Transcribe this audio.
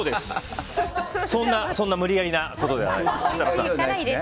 そんな無理やりなことではないです。